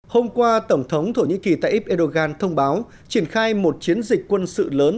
hôm qua tổng thống thổ nhĩ kỳ tayyip erdogan thông báo triển khai một chiến dịch quân sự lớn